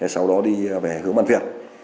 sau đó đi về hướng bàn viện